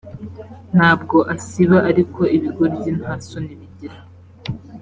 ntabwo asiba ariko ibigoryi nta soni bigira